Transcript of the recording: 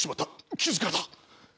気づかれた。